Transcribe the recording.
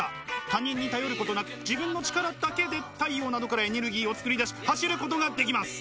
他人に頼ることなく自分の力だけで太陽などからエネルギーを作り出し走ることができます。